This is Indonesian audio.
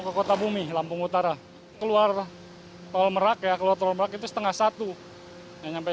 ke kota bumi lampung utara keluar tol merak ya keluar tol merak itu setengah satu yang sampai